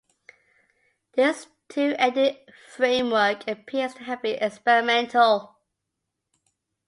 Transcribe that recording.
This two-ended framework appears to have been experimental.